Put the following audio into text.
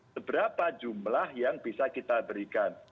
seberapa jumlah yang bisa kita berikan